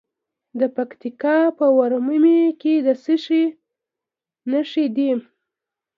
د پکتیکا په ورممی کې د څه شي نښې دي؟